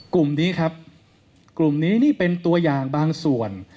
กลุ่มนี้ครับกลุ่มนี้นี่เป็นตัวอย่างบางส่วน